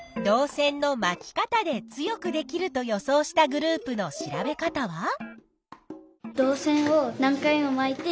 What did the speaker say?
導線の「まき方」で強くできると予想したグループの調べ方は？